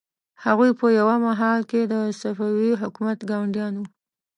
هغوی په یوه مهال کې د صفوي حکومت ګاونډیان وو.